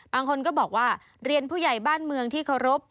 บางคนก็บอกว่าเรียนผู้ใหญ่บ้านเมืองที่เคารพ